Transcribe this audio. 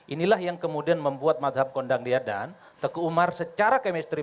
inilah yang kemudian membuat madhab kondangliadan teguh umar secara kemistri